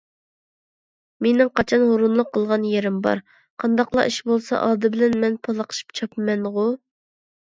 مېنىڭ قاچان ھۇرۇنلۇق قىلغان يېرىم بار؟ قانداقلا ئىش بولسا ئالدى بىلەن مەن پالاقشىپ چاپىمەنغۇ!